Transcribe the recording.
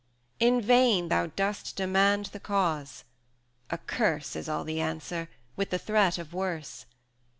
In vain thou dost demand the cause: a curse Is all the answer, with the threat of worse.